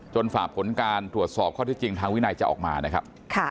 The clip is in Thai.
ฝากผลการตรวจสอบข้อที่จริงทางวินัยจะออกมานะครับ